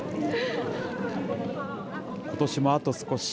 ことしもあと少し。